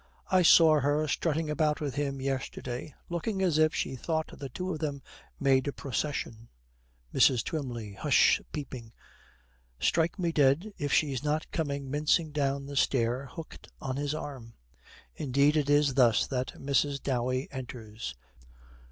'I saw her strutting about with him yesterday, looking as if she thought the two of them made a procession.' MRS. TWYMLEY. 'Hsh!' peeping, 'Strike me dead, if she's not coming mincing down the stair, hooked on his arm!' Indeed it is thus that Mrs. Dowey enters.